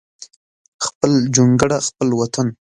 خپل جونګړه خپل وطن